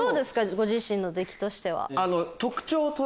ご自身の出来としては。